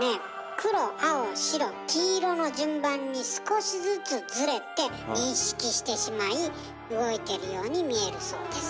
黒青白黄色の順番に少しずつずれて認識してしまい動いてるように見えるそうです。